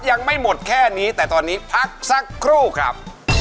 ยังไม่หมดแค่นี้แต่ตอนนี้พักสักครู่ครับ